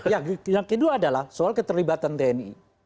ya yang kedua adalah soal keterlibatan tni